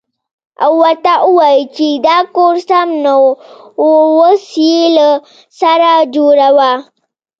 او ورته ووايې چې دا کور سم نه و اوس يې له سره جوړوه.